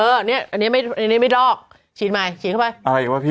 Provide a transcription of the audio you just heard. อันนี้อันนี้ไม่อันนี้ไม่ลอกฉีดใหม่ฉีดเข้าไปอะไรอีกวะพี่